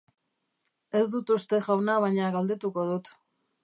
Ez dut uste, jauna, baina galdetuko dut.